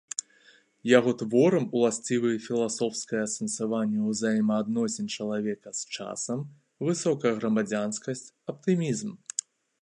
Яго творам уласцівы філасофскае асэнсаванне ўзаемаадносін чалавека з часам, высокая грамадзянскасць, аптымізм.